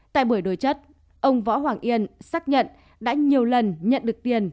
tại buổi đối chất ông võ hoàng yên xác nhận đã nhiều lần nhận được tiền